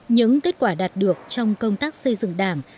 những kết quả đạt được trong công tác xây dựng đảng